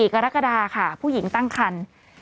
กรกฎาค่ะผู้หญิงตั้งคัน